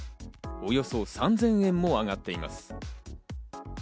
およそ３０００円も上がっています。